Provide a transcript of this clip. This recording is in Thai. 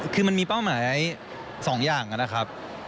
คือมันมีเป้าหมาย๒อย่างนะครับ